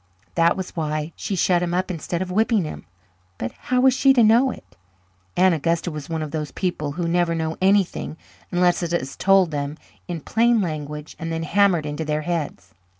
That was why she shut him up instead of whipping him. But how was she to know it? Aunt Augusta was one of those people who never know anything unless it is told them in plain language and then hammered into their heads.